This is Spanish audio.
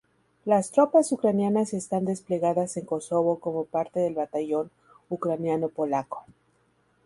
Las tropas ucranianas están desplegadas en Kosovo como parte del Batallón Ucraniano-Polaco.